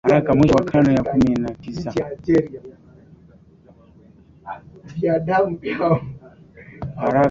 haraka Mwisho wa karne ya kumi na tisa